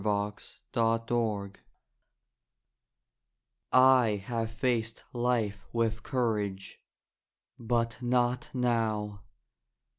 In Darkness I have faced life with courage, but not now!